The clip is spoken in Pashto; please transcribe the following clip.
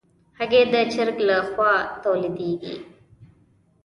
هګۍ د چرګ له خوا تولیدېږي.